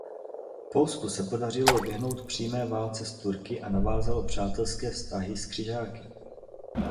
Polsku se podařilo vyhnout přímé válce s Turky a navázalo přátelské vztahy s křižáky.